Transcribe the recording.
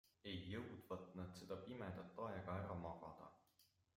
Ei jõudvat nad seda pimedat aega ära magada.